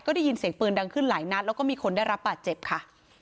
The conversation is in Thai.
ได้ยินเสียงปืนดังขึ้นหลายนัดแล้วก็มีคนได้รับบาดเจ็บค่ะ